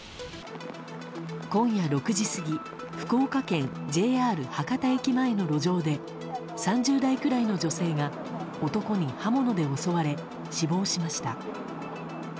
今夜６時過ぎ福岡県ＪＲ博多駅前の路上で３０代くらいの女性が男に刃物で襲われ死亡しました。